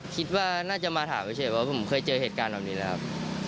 คิดว่าน่าจะมาถามไม่ใช่เพราะผมเคยเจอเหตุการณ์แบบนี้นะครับ